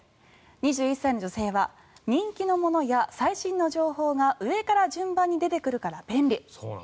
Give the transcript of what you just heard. ２１歳の女性は人気のものや最新の情報が上から順番に出てくるから便利。